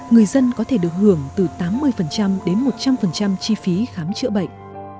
người dân có thể được hưởng từ tám mươi đến một trăm linh chi phí khám chữa bệnh